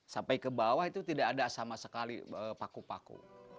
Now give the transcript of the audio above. sampai ke bawah itu tidak ada sama sekali paku paku